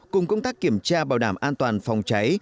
cùng công tác kiểm tra bảo đảm an toàn phòng cháy